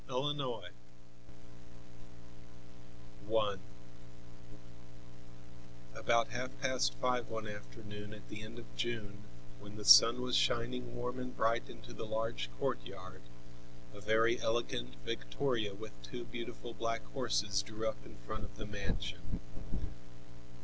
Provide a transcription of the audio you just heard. USELESS BEAUTY I About half past five one afternoon at the end of June when the sun was shining warm and bright into the large courtyard, a very elegant victoria with two beautiful black horses drew up in front of the mansion.